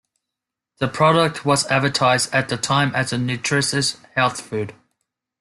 The product was advertised at the time as a nutritious health food.